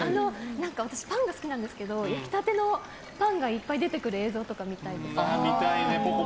私、パンが好きなんですけど焼きたてのパンがいっぱい出てくる映像とか見たいです。